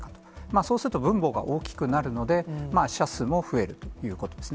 そうすると分母が大きくなるので、死者数も増えるということですね。